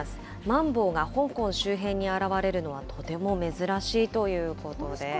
マンボウが香港周辺に現れるのは、とても珍しいということです。